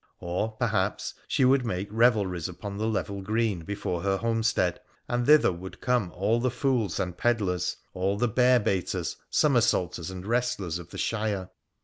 Or, perhaps, she would make revelries upon the level green before her homestead, and thither would come all the fools and pedlars, all the bear baiters, somersaulters, and wrestlers of the shire.